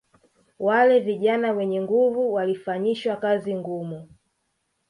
Wale vijana wenye nguvu walifanyishwa kazi ngumu